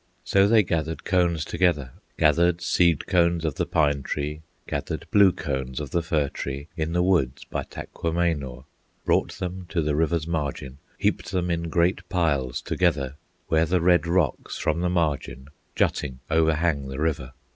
So they gathered cones together, Gathered seed cones of the pine tree, Gathered blue cones of the fir tree, In the woods by Taquamenaw, Brought them to the river's margin, Heaped them in great piles together, Where the red rocks from the margin Jutting overhang the river.